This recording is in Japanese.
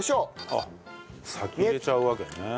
あっ先に入れちゃうわけね。